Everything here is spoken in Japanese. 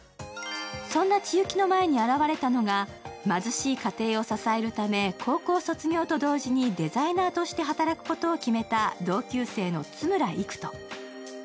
そんな千雪の前に現れたのが貧しい家庭を支えるため高校卒業と同時にデザイナーとして働くことを決めた同級生の都村育人。